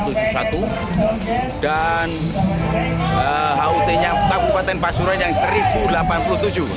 dan hut kabupaten pasuruan yang ke seribu delapan puluh tujuh